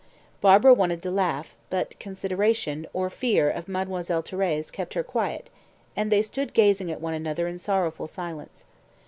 Barbara wanted to laugh, but consideration or fear of Mademoiselle Thérèse kept her quiet, and they stood gazing at one another in sorrowful silence.